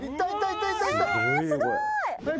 すごい！